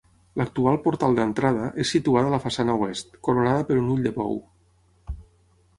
L'actual portal d'entrada és situada a la façana oest, coronada per un ull de bou.